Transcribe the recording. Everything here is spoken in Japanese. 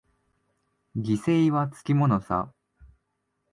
犠牲はつきものさ。